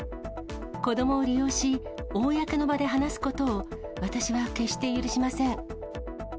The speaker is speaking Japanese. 子どもを利用し、公の場で話すことを私は決して許しません。